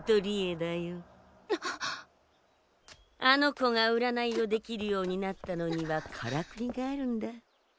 あの子がうらないをできるようになったのにはカラクリがあるんだ。